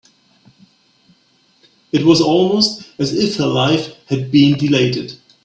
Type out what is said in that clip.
It was almost as if her life had been deleted.